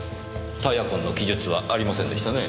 タイヤ痕の記述はありませんでしたね。